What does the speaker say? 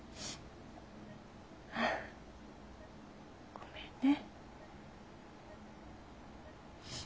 ごめんね。